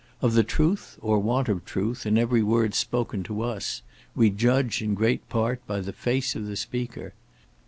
Of the truth, or want of truth in every word spoken to us, we judge, in great part, by the face of the speaker.